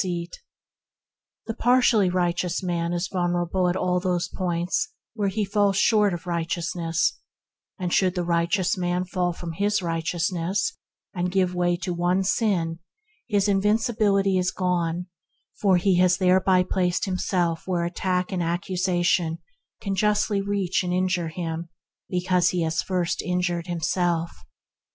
THE RIGHTEOUS MAN 127 The partially righteous man is vulnerable at every point where he falls short of righteousness, and should the righteous man fall from his righteousness and give way to one sin, his invincibility is gone, for he has thereby placed himself where attack and accusation can justly reach and injure him, because he has first injured himself.